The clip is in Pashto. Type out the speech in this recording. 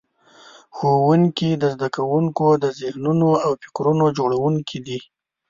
ښوونکي د زده کوونکو د ذهنونو او فکرونو جوړونکي دي.